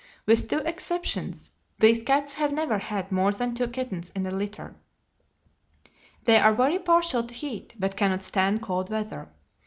With two exceptions, these cats have never had more than two kittens at a litter. They are very partial to heat, but cannot stand cold weather.